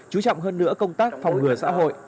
chú trọng hơn nữa công tác phòng ngừa xã hội